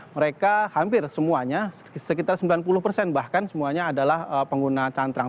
mereka hampir semuanya sekitar sembilan puluh persen bahkan semuanya adalah pengguna cantrang